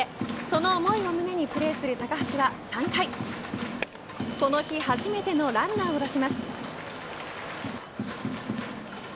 その思いを胸にプレーする高橋は３回この日初めてのランナーを出します。